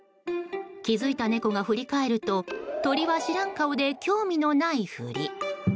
気づいた猫が振り返ると鳥は知らん顔で興味のないふり。